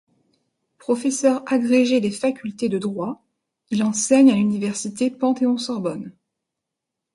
Professeur agrégé des facultés de droit il enseigne à l’Université Panthéon-Sorbonne.